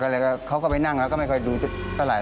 ก็เลยเขาก็ไปนั่งแล้วก็ไม่ค่อยดูเท่าไหร่